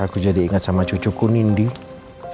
aku jadi inget sama cucuku ninding